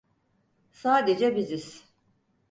Sadece biziz.